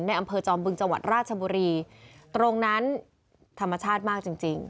อำเภอจอมบึงจังหวัดราชบุรีตรงนั้นธรรมชาติมากจริงจริง